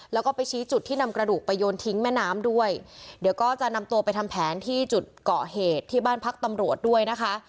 แล้วก็ไปชี้จุดที่นำกระดูกไปโยนทิ้งแม่น้ำด้วยเดี๋ยวก็จะนำตัวไปทำแผนที่จุดเกาะเหตุที่บ้านพักตำรวจด้วยนะคะ